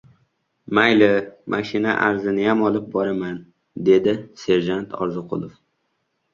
— Mayli, mashina arizaniyam olib boraman, — dedi serjant Orziqulov.